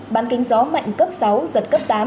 ban kính gió mạnh cấp sáu giật cấp tám